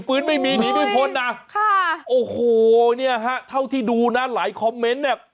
ที่มือคืนไม่มีหนีไม่พ้นโอ้โหที่ดูราวนี้หลายคอมเมนต์เนี่ย